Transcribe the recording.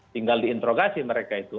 tinggal diintrogasi mereka itu